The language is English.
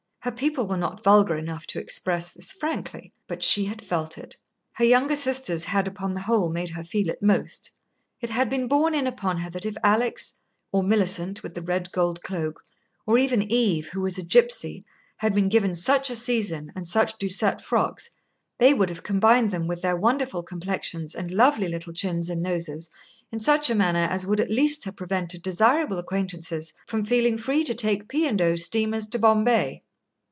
Her people were not vulgar enough to express this frankly, but she had felt it. Her younger sisters had, upon the whole, made her feel it most. It had been borne in upon her that if Alix, or Millicent with the red gold cloak, or even Eve, who was a gipsy, had been given such a season and such Doucet frocks, they would have combined them with their wonderful complexions and lovely little chins and noses in such a manner as would at least have prevented desirable acquaintances from feeling free to take P. and O. steamers to Bombay.